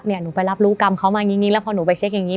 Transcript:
หนูไปรับรู้กรรมเขามาอย่างนี้แล้วพอหนูไปเช็คอย่างนี้